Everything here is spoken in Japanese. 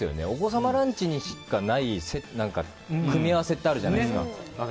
お子様ランチにしかない組み合わせってあるじゃないですか。